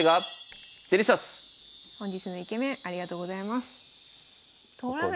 本日のイケメンありがとうございます。